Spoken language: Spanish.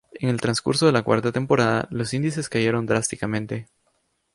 En el transcurso de la cuarta temporada, los índices cayeron drásticamente.